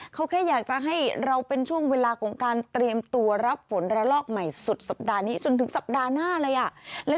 เขาแค่อยากจะให้เราเป็นช่วงเวลาของการเตรียมตัวรับฝนระลอกใหม่สุดสัปดาห์นี้จนถึงสัปดาห์หน้าเลยอ่ะ